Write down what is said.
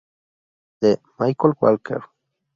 D. Michael Walker.